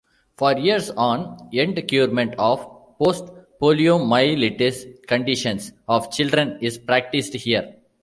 For years on end curement of post poliomyelitis conditions of children is practised here.